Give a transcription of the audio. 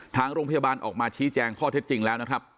ทางโรงพยาบาลออกมาชี้แจงข้อเท็จจริงแล้วนะครับ